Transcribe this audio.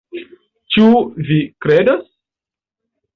Ĉu vi kredos?